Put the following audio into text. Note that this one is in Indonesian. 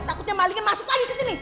takutnya malingin masuk lagi kesini